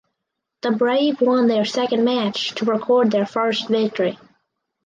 The Brave won their second match to record their first victory.